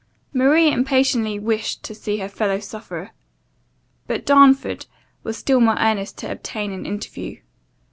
Maria impatiently wished to see her fellow sufferer; but Darnford was still more earnest to obtain an interview.